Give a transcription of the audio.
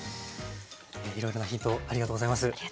いろいろなヒントありがとうございます。